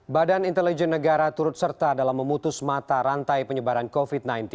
badan intelijen negara turut serta dalam memutus mata rantai penyebaran covid sembilan belas